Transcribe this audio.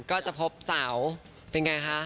ก็จะพบเสาเป็นไงคะ